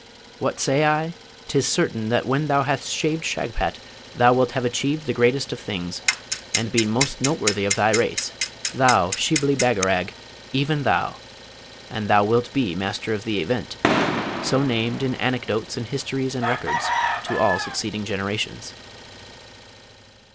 What say I? 'tis certain that when thou hast shaved Shagpat thou wilt have achieved the greatest of things, and be most noteworthy of thy race, thou, Shibli Bagarag, even thou! and thou wilt be Master of the Event, so named in anecdotes and histories and records, to all succeeding generations.'